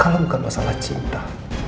kalau bukan masalah cinta